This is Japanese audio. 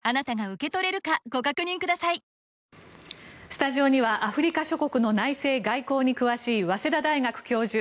スタジオにはアフリカ諸国の内政・外交に詳しい早稲田大学教授